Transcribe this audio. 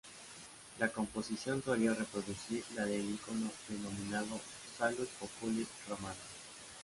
La composición solía reproducir la del icono denominado "Salus Populi Romani".